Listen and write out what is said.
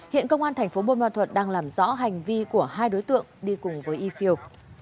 hiện công an tp bun ma thuật đang làm rõ hành vi của hai đối tượng đi cùng với ifeo